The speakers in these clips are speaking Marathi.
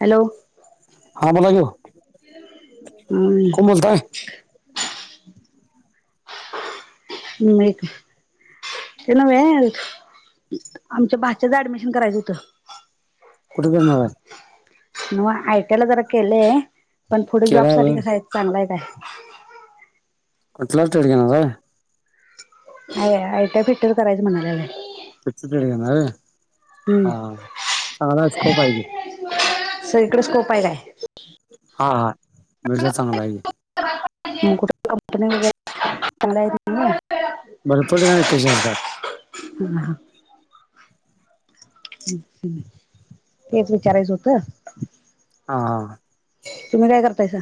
हॅलो हा बोला की ओ कोण हम्म बोलताय? नाही ते नव्हे आमच्या बा [unintelligible] ऍडमिशन करायचं होतं. कुठे करणार आहे नव्हं आय टी आय ला जरा केलेय पण पुढे केला जॉब साठी होय. कस आहे चांगला आहे काय? कसला ऍडमिशन घेणार आहे. आय टी आय भेटल करायचं म्हणायला. [unintelligible] घेणार हम्म हा चांगला स्कोप हाय की. सगळीकडे स्कोप आहे काय? हा हा विषय चांगला आहे. मग कुठे कंपनीमध्ये ते [inaudible] भरपूर हे आहे त्याच्यात. ह ह् तेच विचारायचं होतं. हा. हा. तुम्ही काय करतायसा?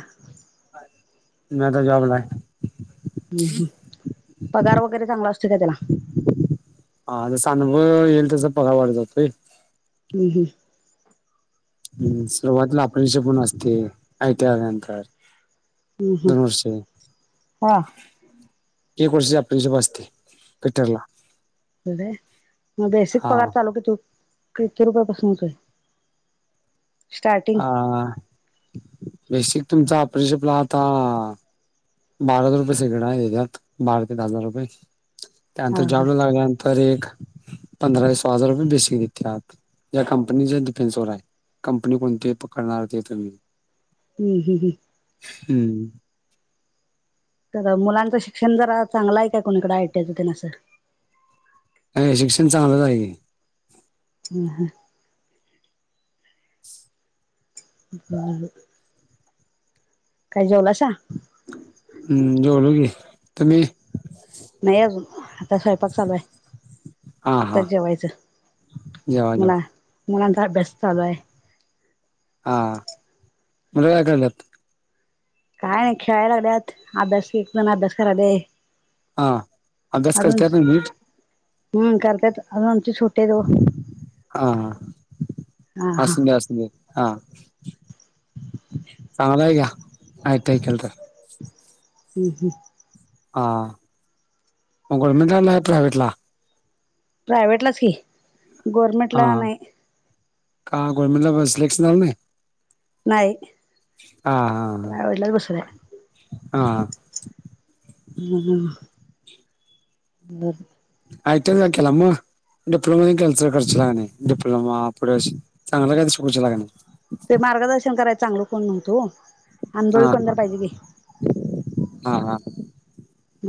मी आता जॉबला हाय. हम्म हम् पगार वगैरे चांगला असतोय का त्याला? हा जस अनुभव येईल तस पगार वाढत जातोय. हम् हम हम् सुरुवातीला अपेक्षा पण असते आय टी आय आल्या नंतर, हम्म दोन हम्म वर्ष, हा एक वर्ष आपलीशी भासते पितरला, मग बेसिक पगार हा चालू किती किती रुपया पाासून होतोय. स्टार्टिंग हा बेसिक तुमचा आपलं शिप ला आता, बारा हजार रुपये सगळीकड आहे ज्यात बारा ते दहा हजार रुपये, हा त्यानंतर हा जॉब लागल्यानंतर पंधरा सोळा हजार रुपये बेसिक घेतात. या कंपनीच्या डिफेन्स वर आहे कंपनी कोणती पकडणार ते तुम्ही, हम् हम ह, हम्म, तर मुलांचं शिक्षण जरा चांगलं आहे काय कोणीकडे आय टि तेन असं. नाही नाही शिक्षण चांगलंच आहे कि, हम्म, छछ [inaudible] ह काय जेवलासा? हम्म जेवलो की तुम्ही. नाही अजून, आत्ता स्वयंपाक चालू आहे हा आता हा जेवायचं जेवा जेवा मुलां, मुलांचा अभ्यास चालू आहे, हा मुलं काय कराल्यात? काय नाही खेळाल्यात अभ्यास एक जण अभ्यास करालयं. हा, अभ्यास अजून करत्यात ना नीट ह् करत्यात अजून आमची छोटी, हा हा ह् हा असू देत असू देत हा, चांगलं हाय घ्या आयटिया केलं तर. हम्म ह, हा मग गव्हरमेंट ला घातलाय काय प्रायव्हेट ला? प्रायव्हेटलाच की हा गोरर्मेंटला नाही. का गव्हरमेंट ला सिलेक्शन झालं नाही. नाही, हा हा प्रायव्हेटलाच बसवलाय हा हा, हा हा हा बरं, आयटया का केला मग? डिप्लोमा तेण कॅन्सल करशीला की नाही डिप्लोमा पुढे चांगलं काय तर शिकवशीला काय नाही. ते मार्गदर्शन करायं चांगल कोण नव्हतं वो, हा हा हा हा,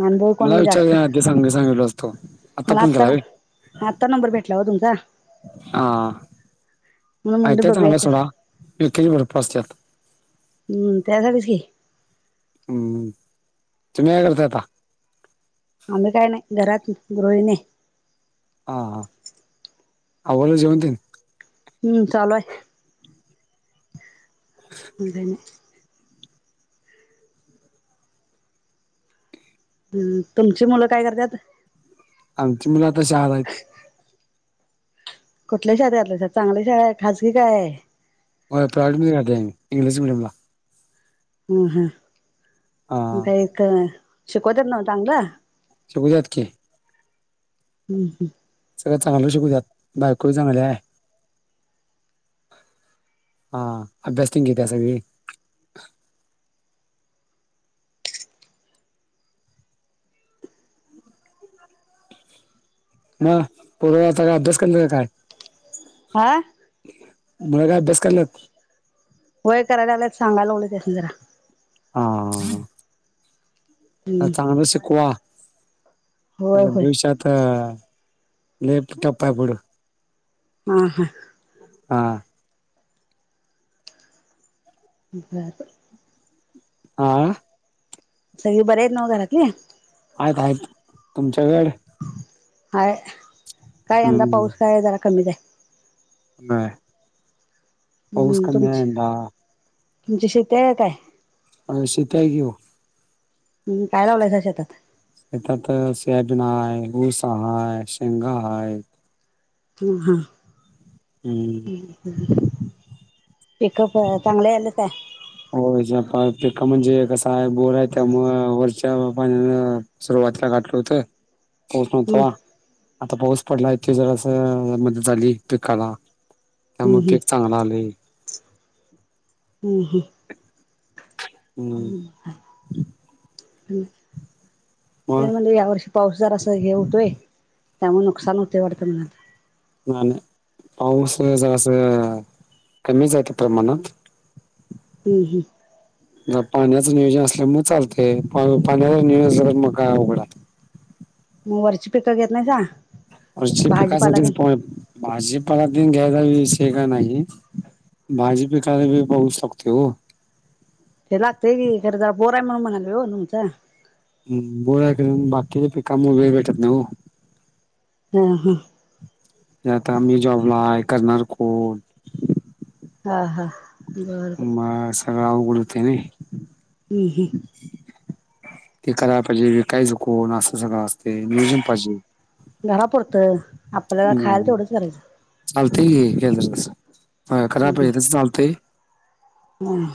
अनुभवी मला कोण जास्त विचारशिला कणी मी सांग सांगितलो असतो आता मला फोन आत्ता केलाय होय. ना आत्ता नंबर भेटला हो तुमचा, हा म्हणून म्हणलं आयटया चांगला बघूया आहे तर सोडा उकेजी भरपूर असतात. हम्म त्यासाठीच की, हम्म तुम्ही काय करताय आता? आम्ही काही नाही घरात गृहिणी आहं. हा हा आवरलं जेवण तेण? हम्म चालू आहे. हम् तुमची मुलं काय करत्यात. आमची मुलं आत्ता शाळेला आहीतं कुठल्या शाळेत घातलाय सा चांगल्या शाळा आहे खाजगी काय? होय, प्रायव्हेट मध्ये घातलंय आम्ही इंग्लिश मीडियम ला हम् हम मग, हा का एक शिकत्यातना चांगलं? शिकवत्यात की हम्म सगळं चांगलं शिकवत्यात, बायको बी चांगली आहे. हा, अभ्यास तेण घेतल्या सगळी मग पोर काय आता अभ्यास करल्यात का काय? हा बघ अभ्यास कराल्यात. होय कराय लागलात सागालागलो त्यांना हा चांगलं शिकवा होय नाही तर होय भविष्यात लाई ठफ आहे पुढं हा हा हा,, बरं बरं हा सगळी बरे आहेत नवा घरातले? आहेत, आहेत तुमच्याकड हय, काय यंदा पाऊस हम्म काय जरा कमी आहे नाही हम्म तुमचं, तुमची शेती हे काय हा, शेती आहे की ओ हम, काय लावलाय त्याच्यात आता तर सोयाबीन आहे, ऊस हाय, शेंगा हाय,, म हा हा पीक प चांगले आले काय? हो, पीक म्हणजे कसं आहे बोर हाय त्यामुळं वरच्या पाण्यान सुरुवातीला गाठलं होतं पाऊस हम्म नव्हता आता पाऊस पडला आहेत की जरास मदत झाली पीकला हम्म त्यामुळे हम्म पीक चांगल आलंय हाहा,, हम्म हम त्या म्हणलं या वर्षी पाऊस जरा अस हे होतोय त्यामुळे नुकसान होतय वाटतं मग,, नाही, नाही पाऊस जरासा कमीच आहेत प्रमाण हम पाण्याचं नियोजन असल्यामुळे चालते, पाण्याचा नियोजन मग काय अवघड हाय वरची पीक घेत नाही सा? वरची पिकासाठी भाजीपाला तेन घ्यायल विषय काय नाही भाजी पीकाला बी पाऊस लागते हो ते लागतय की खरं बोर आहे म्हणालो हो तुमच्या ह पोरा कर बाकीचे पीकमूळ वेळ भेटत नाही हो हा हा मी आता मी जॉबला आहे. करणार कोण? हा हा बरं बरं मग अस सगळं आवघड होतंय नाही. हम्म हम्म ते कराय पाहिजे कायच कोण असं सगळं असते. नियोजन पाहिजे. घरा पुरतं आपल्याला खायाला तेवढंच करायचं. चालतंय की केंल तस हा घरापे तस चालतंय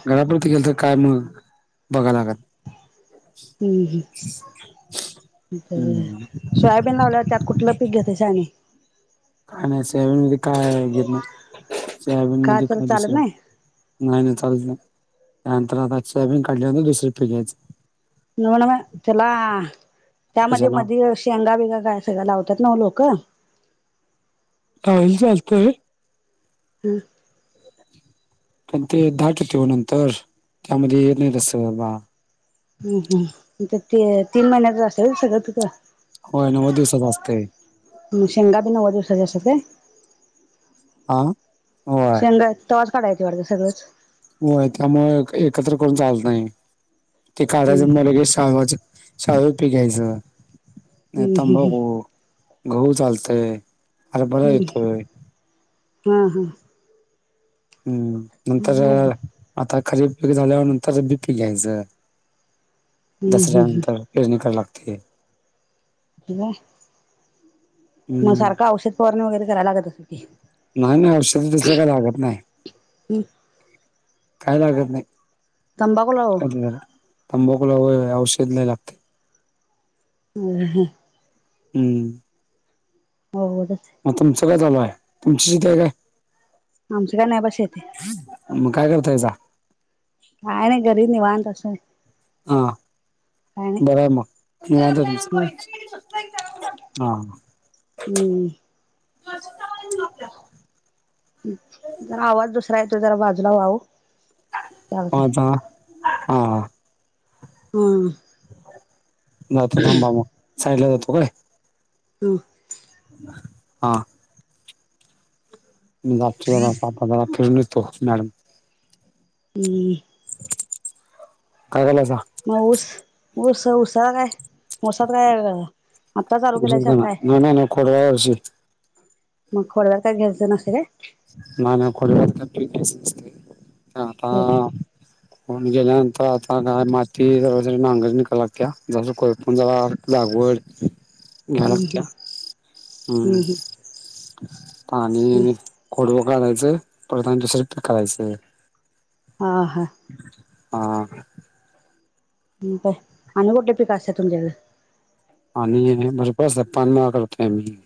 घरापूरत गेल. तर काय मग बघालागल. हम्म हम बरं हम्म. सोयाबीन लावलात त्या कुठ. कुठलं पीक घेतासा आणि का नाही सोयाबीन मध्ये काय घेत नाही. सोयाबीन का मध्ये त्याला काय चालत दुसर नाही नाही चालत नाही. त्यानंतर आता सोयाबीन काढल्यावर मग दुसर पीक घ्यायचं. नव नव चला त्यामध्ये कशाला मध्ये यश शेंगाभिंगा काय सगळं लावतात. ना लोक काही चालतंय. हम्म पण ते दाट येतो ओ नंतर त्यामध्ये येत नाही. बसत बा हम्म हम्म ते तीन महिन्याच असतंय व्हय सगळं तिथं होय नव्वद दिवसाच असतंय. हा शेंगा बी नव्वद दिवसच्या असतात काय. हा होय शेंगा तवाच काढायचं वाटतं सगळंच होय त्यामुळ एक एकत्र करून चालत नाही. ते काढायचं मग लगेच सांगायचं शाळू पीक घ्यायचं. नाही तंबाखू गहू चालतंय. हरभरा येतोय. हा हा हम्म नंतर मग आता खरीप पिक झाल्यानंतर बीट पीक घ्यायचंय दसऱ्यानंतर प्रयत्न करायला लागते. मग हम्म सारखं औषध फवारणी वगैरे करायला लागत. अस की नाही नाही औषध तसलं काय लागत नाही. काय लागत नाही. तंबाखूला हो अ तंबाखूला वय औषध लय लागते. हा हा हम्म नव्वद च आहे. मग तुमचं काय चालू आहे. तुमची शेती आहे. काय आमचं काय नाही. बा शेती मग काय करतायसा. काय नाही घरी निवांत असुन हा बरं आहे मग निवांत तुमचं होय हा हम्म हम जरा आवाज दुसरा येतोय. जरा बाजूला व्हा ओ माझा हा हा हम्म नाही आता थांबा मग साईडला जातो काय? हा हा मी [unintelligible] फिरून निघतो मॅडम ह काय झालं आता माऊस ऊस ऊसळा काय? समोसात काय आत्ता चालू केलाय स काय? थोड्यावेळ धीर मग खोडदवर काय घ्यायच नास रे नाही नाही कोडत [unintelligible] आपा [inaudible] कोण गेल्यानंतर आता काय माती ज नांगर निकाला लागत जसं कोयपण जावळ लागवड [inaudible] झालं हम्म कया हम्म पाणी खोडव काढयचं परत आणि दुसर प करायचं हा हा ह काय आणि कुठे पिक असत आहे तुमच्याकडे पाणी आहे बरोबर पान मग करतोय मी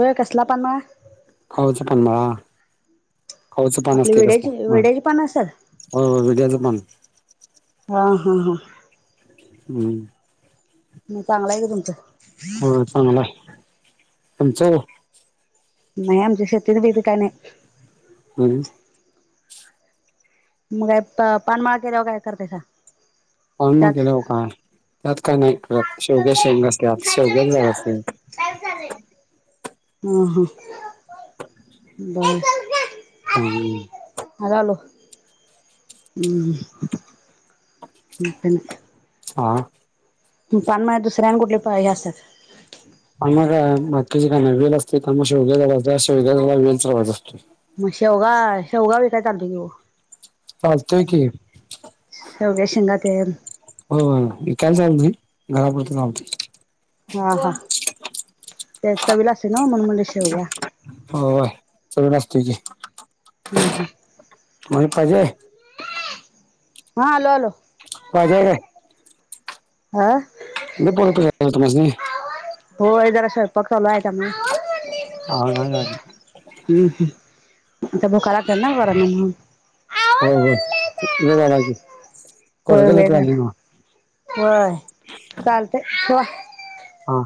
हो केसला पण ना खाऊचंकमा खाऊचं पान आपली असत कस ह विड्याची विड्याची पानं असत्यात होय होय विड्याचं पान हा हा हा हम्म म चांगला आहे का तुमचं होय चांगला आहे तुमचं नाही आमची शेतीविती काय नाही. तरी मग का पानमाळ केल्यावर काय करतेस काय? पण मग गेलं हो काय त्यात काय नाही करत शेवग्या शेंग असतत शेवग्या झाड असते. तास झाले ह ह ये चल ग हम्म [unintelligible] हलालो हम्म मन हा तु पानमाय दुसऱ्या आणि कुठ पा ह्या असतात. पण मग काय बाकीची काय नाही वेल असते तेग शेवग्या अस शेवग्याला वेल त असतो. मग शेवगा शेवगा विकाय चालतो. चालतोय की शेवग्याच्या शेंगा ते हो काय चाल घरापडत कावती हा हा ते चवीला असे म्हण शेव घ्या. हो होय सगळ असत की हम् हम. माइक पाहिजे? हा आलो आलो. पाजय काय? आह. किती फोन करायचं तुम्हास्नी. होय जरा स्वयंपाक चालू आहे त्या मुळ. हम्म. आता भुखा लागत्यात पोरास्नी म्हणून. हो हो. ला होय कोठकली वेळ झाला पली. होय. चालतय ठेवा. हा.